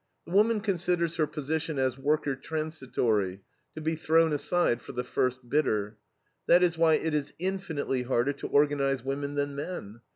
The woman considers her position as worker transitory, to be thrown aside for the first bidder. That is why it is infinitely harder to organize women than men.